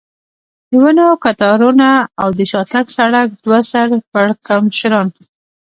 د ونو کتارونه او د شاتګ سړک، دوه سر پړکمشران.